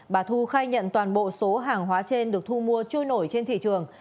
bà thu khai nhận toàn bộ số hàng hóa trên được thu mua trôi nổi trên thị trường